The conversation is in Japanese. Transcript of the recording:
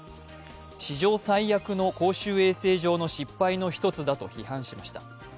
史上最悪の公衆衛生上の失敗の一つだと批判しました。